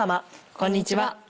こんにちは。